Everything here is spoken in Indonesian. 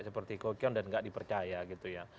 seperti kocan dan nggak dipercaya gitu ya